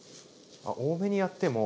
あ多めにやっても。